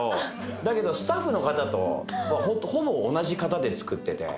だけどスタッフの方とほぼ同じ方で作ってて。